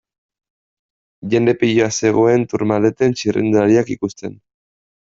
Jende piloa zegoen Tourmaleten txirrindulariak ikusten.